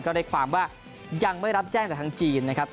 ได้ความว่ายังไม่รับแจ้งจากทางจีนนะครับ